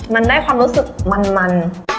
มันได้รู้สึกมัน